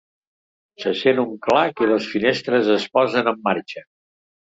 Se sent un clac i les finestres es posen en marxa.